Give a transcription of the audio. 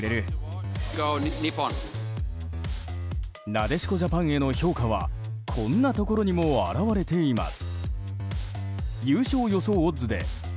なでしこジャパンへの評価はこんなところにも表れています。